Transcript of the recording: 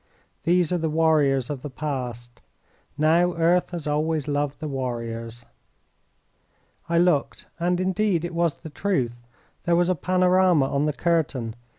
These are the warriors of the past. Now earth has always loved the warriors." I looked, and indeed it was the truth. There was a panorama on the curtain.